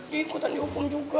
dia ikutan dihukum juga